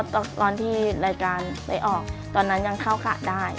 ตอนที่รายการไปออกตอนนั้นยังเข้าขาดได้